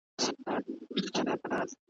بلبل به په سرو سترګو له ګلڅانګو ځي، کوچېږي ,